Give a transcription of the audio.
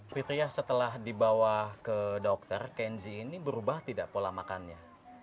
fitriah setelah dibawa ke dokter kenzi ini berubah tidak pola makannya